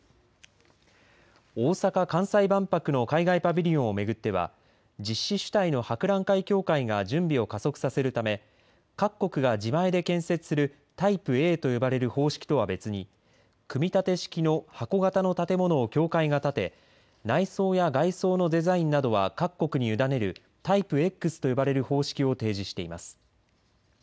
大阪・関西万博の海外パビリオンを巡っては実施主体の博覧会協会が準備を加速させるため各国が自前で建設するタイプＡと呼ばれる方式とは別に組み立て式の箱形の建物を協会が建て内装や外装のデザインなどは各国に委ねるタイプＸと呼ばれる方式を提示しています。